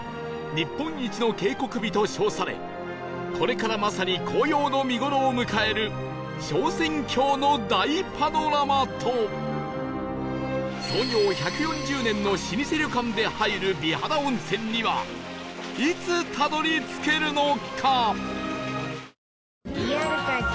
日本一の渓谷美と称されこれからまさに紅葉の見頃を迎える昇仙峡の大パノラマと創業１４０年の老舗旅館で入る美肌温泉にはいつたどり着けるのか？